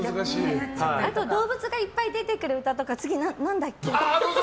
あと動物がいっぱい出てくる歌とか、次なんだっけ？みたいな。